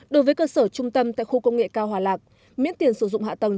đối với cơ sở trung tâm tại khu công nghệ cao hòa lạc miễn tiền sử dụng hạ tầng